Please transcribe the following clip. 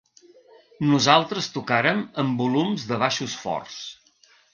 Nosaltres tocàrem amb volums de baixos forts.